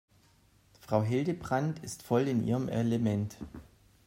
Frau Hildebrand ist voll in ihrem Element.